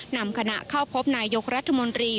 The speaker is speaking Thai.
นำคณะเข้าพบนายยกรัฐมนตรี